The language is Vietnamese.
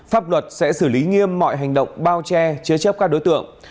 pháp luật sẽ xử lý nghiêm mọi hành động bao che chế chấp các đối tượng